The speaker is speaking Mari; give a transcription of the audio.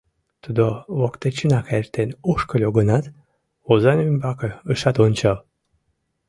Тудо воктечынак эртен ошкыльо гынат, озан ӱмбаке ышат ончал.